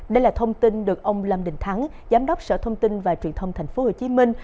đây là thông tin được ông lâm đình thắng giám đốc sở thông tin và truyền thông thành phố hồ chí minh